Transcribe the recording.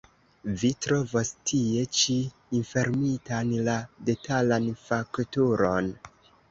Vi trovos tie ĉi enfermitan la detalan fakturon.